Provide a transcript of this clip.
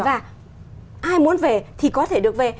và ai muốn về thì có thể được về